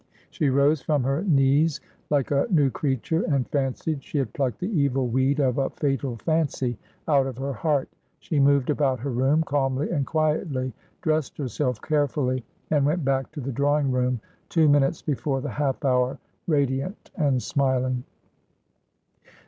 She rose from her knees like a new creature, and fancied she had plucked the evil weed of a fatal fancy out of her heart. She moved about her room calmly and quietly, dressed herself carefully, and went back to the drawing room, two minutes before the half hour, radiant and smiling.